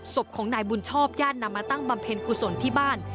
ศพของนายบุญชอบญาตินำมาตั้งบำเพ็ญกุศลที่บ้าน